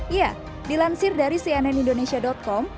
iya dilansir dari cnn indonesia com